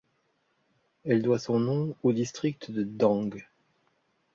Elle doit son nom au district de Dang.